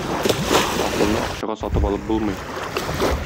Акылны акчага сатып алып булмый.